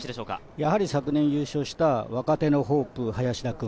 やはり昨年優勝した若手のホープ、林田君。